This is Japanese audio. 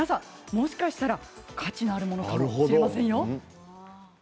もしかしたら価値のあるものがあるかもしれませんよ。